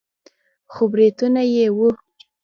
خو برېتونه يې وو.